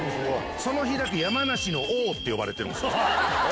その日だけ山梨の王って呼ばれてるんですよ。